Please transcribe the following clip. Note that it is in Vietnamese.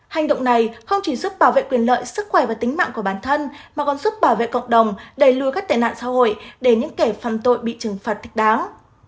hành động này không chỉ giúp bảo vệ quyền lợi sức khỏe và tính mạng của bản thân mà còn giúp bảo vệ cộng đồng đẩy lùi các tệ nạn xã hội để những kẻ phạm tội bị trừng phạt thích đáng